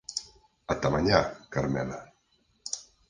Ata mañá, Carmela.